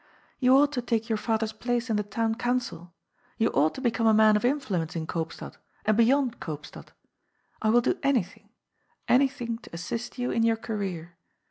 You ought to take your father's place in the Town Council ; you ought to become a man of influence in Koopstad, and beyond Koopstad. I will do anything, anything to assist you in your career.